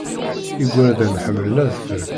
Igerdan ḥemmlen adfel.